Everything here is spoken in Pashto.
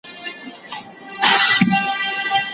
ته چي کیسه کوې جانانه پر ما ښه لګیږي